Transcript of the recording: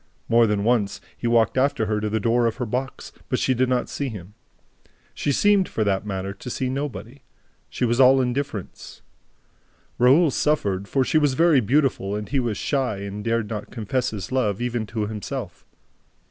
More than once, he walked after her to the door of her box, but she did not see him. She seemed, for that matter, to see nobody. She was all indifference. Raoul suffered, for she was very beautiful and he was shy and dared not confess his love, even to himself.